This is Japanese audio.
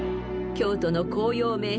［京都の紅葉名所